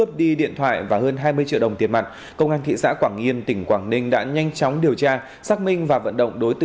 cảm ơn các bạn đã theo dõi